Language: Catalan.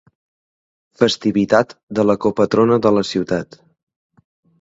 Festivitat de la copatrona de la Ciutat.